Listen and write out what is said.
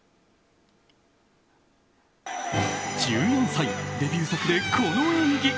１４歳デビュー作でこの演技。